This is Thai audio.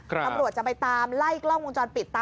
ตำรวจจะไปตามไล่กล้องวงจรปิดตาม